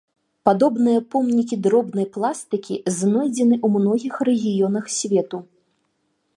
Падобныя помнікі дробнай пластыкі знойдзены ў многіх рэгіёнах свету.